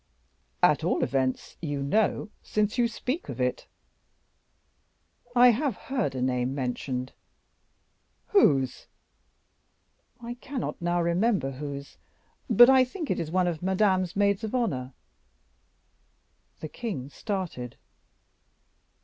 "At all events you know, since you speak of it." "I have heard a name mentioned." "Whose?" "I cannot now remember whose, but I think it is one of Madame's maids of honor." The king started.